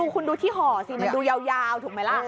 คุณดูที่ห่อสิมันดูยาวถูกไหมล่ะ